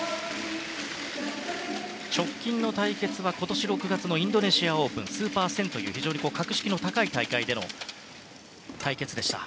直近の対決は今年６月のインドネシアオープンＳｕｐｅｒ１０００という非常に格式の高い大会での対決でした。